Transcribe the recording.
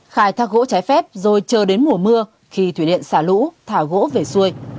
khai thác gỗ trái phép rồi chờ đến mùa mưa khi thủy điện xả lũ thả gỗ về xuôi